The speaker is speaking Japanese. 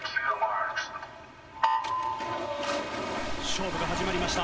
勝負が始まりました。